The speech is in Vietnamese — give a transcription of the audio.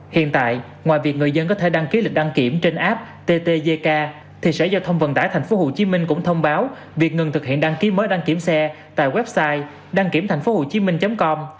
hiện tại ngoài việc người dân có thể đăng ký lịch đăng kiểm trên app ttdk thì sở giao tông vận tải tp hcm cũng thông báo việc ngừng thực hiện đăng ký mới đăng kiểm xe tại website đăng kiểmthànhphothhucminh com